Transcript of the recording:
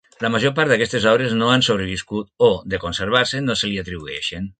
La major part d'aquestes obres no han sobreviscut o, de conservar-se, no se li atribueixen.